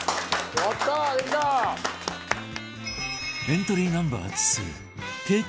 エントリーナンバー２